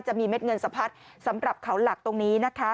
เม็ดเงินสะพัดสำหรับเขาหลักตรงนี้นะคะ